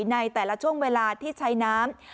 ในแต่ละช่วงเวลาที่ใช้น้ำ